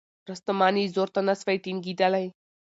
رستمان یې زور ته نه سوای ټینګېدلای